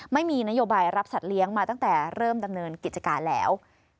ไม่มีนโยบายรับสัตว์เลี้ยงมาตั้งแต่เริ่มดำเนินกิจการแล้ว